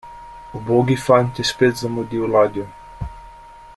Ubogi fant je spet zamudil ladjo.